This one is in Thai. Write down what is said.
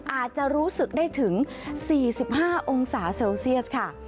อาจจะรู้สึกได้ถึง๔๕องศาเซลเซียสค่ะ